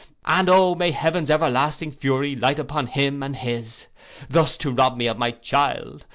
And O may heaven's everlasting fury light upon him and his! Thus to rob me of my child!